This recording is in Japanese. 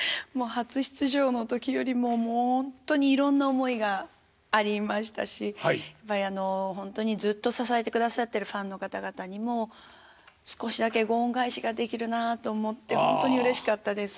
初出場の時よりももうほんとにいろんな思いがありましたしやっぱりずっと支えてくださってるファンの方々にも少しだけご恩返しができるなあと思ってほんとにうれしかったです。